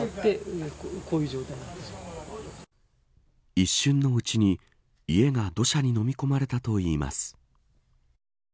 一瞬のうちに家が土砂にのみ込まれたといいます。